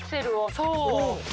そう。